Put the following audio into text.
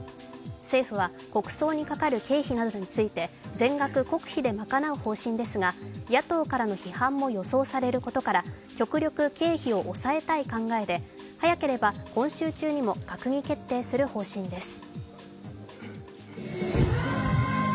政府は国葬にかかる経費などについて全額国費で賄う方針ですが、野党からの批判も予想されることから極力経費を抑えたい考えで早ければ今週中にも閣議決定する方針です。